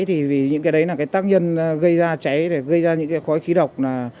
thì vì những cái đấy là cái tác nhân gây ra cháy để gây ra những cái khói khí độc